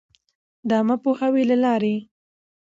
د عــامه پـوهــاوي لـه لارې٫